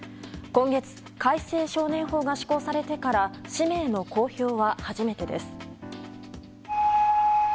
今月、改正少年法が施行されてから氏名の公表は初めてです。